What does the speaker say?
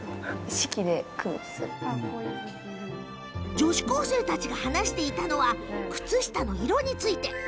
女子高生たちが話していたのは靴下の色について。